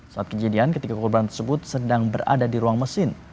saat kejadian ketiga korban tersebut sedang berada di ruang mesin